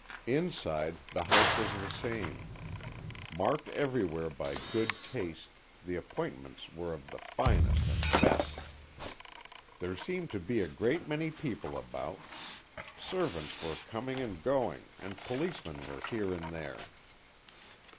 Inside, the house was the same. Marked everywhere by good taste, the appointments were of the finest and best. There seemed to be a great many people about. Servants were coming and going and policemen were here and there.